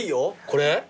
これ？